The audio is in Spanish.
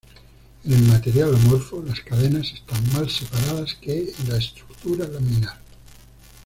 En el material amorfo, las cadenas están más separadas que en la estructura laminar.